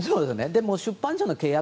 でも出版社の契約